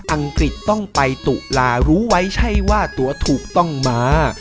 อังกฤษต้องไปตุลารู้ไว้ใช่ว่าตัวถูกต้องมา